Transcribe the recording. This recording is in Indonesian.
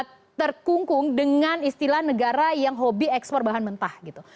kita terkungkung dengan istilah negara yang hobi ekspor bahan mentah gitu